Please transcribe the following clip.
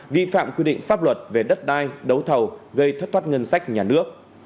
vi phạm quy định pháp luật về đất đai đấu thầu gây thất thoát ngân sách nhà nước